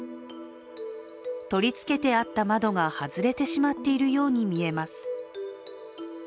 取りつけてあった窓が外れてしまっているように見えます。